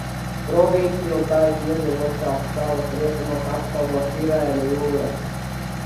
Provinci un tai piederošās salas rietumos apskalo Tirēnu jūra.